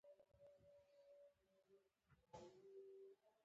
آیا بټکوین په افغانستان کې پیژندل کیږي؟